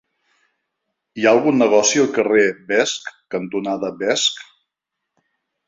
Hi ha algun negoci al carrer Vesc cantonada Vesc?